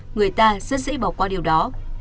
người ta rất dễ bỏ qua điều đó